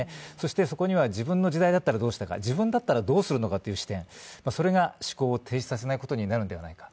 そこには自分の時代だったらどうしたか、自分だったらどうするのかという視点、それが思考を停止させないことになるんではないか。